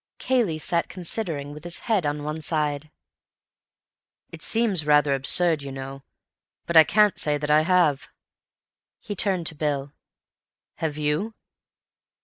Cayley sat considering, with his head on one side. "It seems rather absurd, you know, but I can't say that I have." He turned to Bill. "Have you?"